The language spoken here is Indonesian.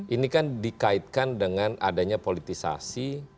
ini kan dikaitkan dengan adanya politisasi